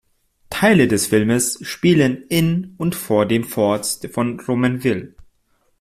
Teile des Filmes spielen in und vor den Forts von Romainville.